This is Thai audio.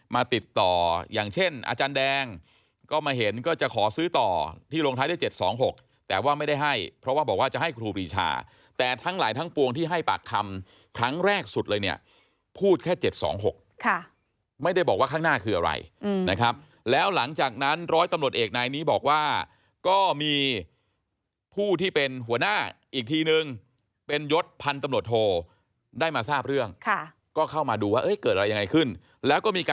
มาติดต่ออย่างเช่นอาจารย์แดงก็มาเห็นก็จะขอซื้อต่อที่ลงท้ายได้เจ็ดสองหกแต่ว่าไม่ได้ให้เพราะว่าบอกว่าจะให้ครูบรีชาแต่ทั้งหลายทั้งปวงที่ให้ปากคำครั้งแรกสุดเลยเนี่ยพูดแค่เจ็ดสองหกค่ะไม่ได้บอกว่าข้างหน้าคืออะไรอืมนะครับแล้วหลังจากนั้นร้อยตำรวจเอกในนี้บอกว่าก็มีผู้ที่เป็นหัวหน้าอีกที